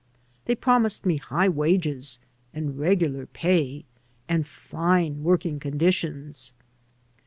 They promised me high wages, and regular pay, and fine working condi tions.